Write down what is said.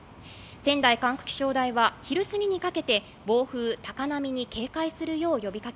仙台管区気象台は昼すぎにかけて暴風、高波に警戒するよう呼びか